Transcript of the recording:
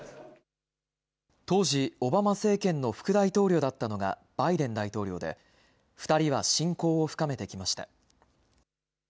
当時、オバマ政権の副大統領だったのがバイデン大統領で２人は親交を深めてきました。